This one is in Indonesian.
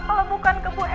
kalau bukan ke bu elsa